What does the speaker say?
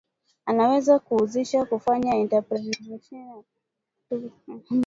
anaweza ku uzisha ku fanya entreprenariat ku tumika mu